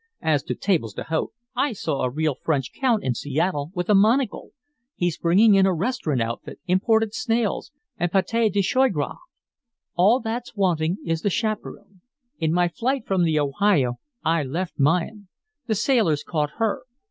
As to tables d'hote, I saw a real French count in Seattle with a monocle. He's bringing in a restaurant outfit, imported snails, and pate de joies gras. All that's wanting is the chaperon. In my flight from the Ohio I left mine. The sailors caught her.